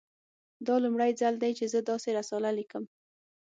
دا لومړی ځل دی چې زه داسې رساله لیکم